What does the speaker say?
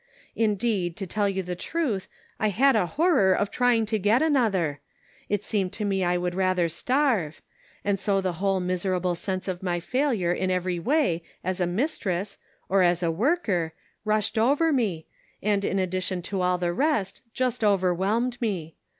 Indeed, to tell you the truth, I had a horror of trying to get another ; it seemed to me I would rather starve ; and so the whole mis erable sense of my failure in every way as a mistress, or as a worker, rushed over me, and in addition to all the rest, just overwhelmed me.